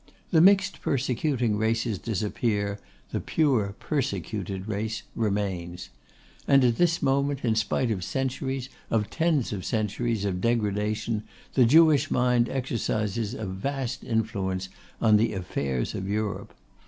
The mixed persecuting races disappear; the pure persecuted race remains. And at this moment, in spite of centuries, of tens of centuries, of degradation, the Jewish mind exercises a vast influence on the affairs of Europe.